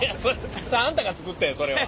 それあんたが作ってんそれは。